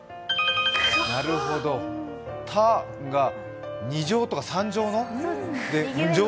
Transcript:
なるほど、「た」が２乗とか３乗の？